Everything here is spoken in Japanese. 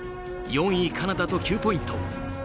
４位カナダと９ポイント。